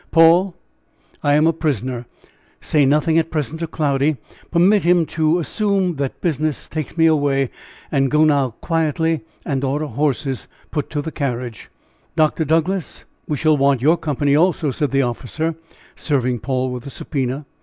"Paul! I am a prisoner. Say nothing at present to Cloudy; permit him to assume that business takes me away, and go now quietly and order horses put to the carriage." "Dr. Douglass, we shall want your company also," said the officer, serving Paul with a subpoena.